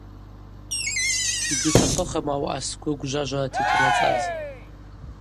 Йгьутахъым ауаъа сгвы гвжважварата йтанацӏаз.